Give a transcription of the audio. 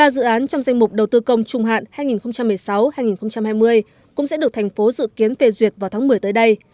ba dự án trong danh mục đầu tư công trung hạn hai nghìn một mươi sáu hai nghìn hai mươi cũng sẽ được thành phố dự kiến phê duyệt vào tháng một mươi tới đây